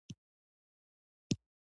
واوره د افغان ماشومانو د زده کړې موضوع ده.